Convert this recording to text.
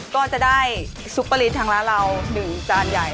ก็จะได้ซุปเปอร์ลิสทางร้านเรา๑จานใหญ่